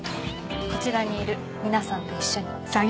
こちらにいる皆さんと一緒に。